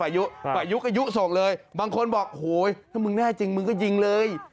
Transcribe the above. ฝ่ายศูนย์กระยุส่งเลยมากคนบอกผมแต่มึงแน่จริงมึงก็ยิงเลย